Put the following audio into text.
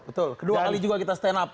betul kedua kali juga kita stand up